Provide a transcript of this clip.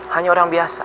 hanya orang biasa